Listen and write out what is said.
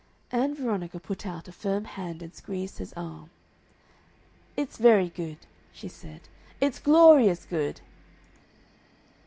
Ann Veronica put out a firm hand and squeezed his arm. "It's very good," she said. "It's glorious good!"